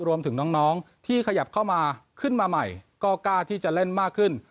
รวมถึงน้องที่ขยับเข้ามาขึ้นมาใหม่ก็กล้าที่จะเล่นมากขึ้น